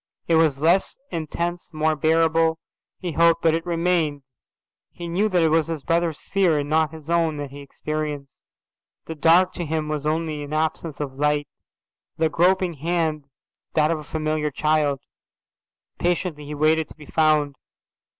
It was less intense, more bearable, he hoped, but it remained. He knew that it was his brother's fear and not his own that he experienced. The dark to him was only an absence of light; the groping hand that of a familiar child. Patiently he waited to be found.